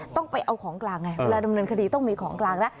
ต้องไปเอาของกลางไงเวลาดำเนินคดีต้องมีของกลางแล้ว